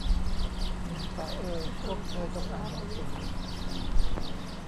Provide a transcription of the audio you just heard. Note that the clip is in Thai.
หนุ่มสาวเอย พวกเธอจงอ่านหนังสือ